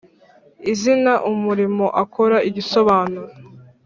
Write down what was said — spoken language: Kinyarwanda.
Izina umurimo akora igisobanuro